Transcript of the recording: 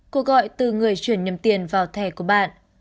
cuộc gọi từ người chuyển nhầm tiền vào thẻ của bạn